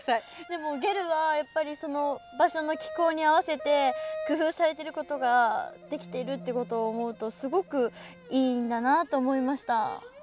でもゲルはやっぱりその場所の気候に合わせて工夫されていることができているっていうことを思うとすごくいいんだなあと思いました。